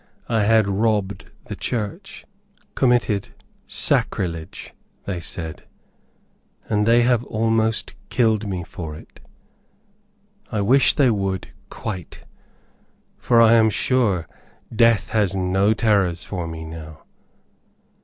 I had robbed the church committed sacrilege, they said and they have almost killed me for it. I wish they would QUITE, for I am sure death has no terrors for me now.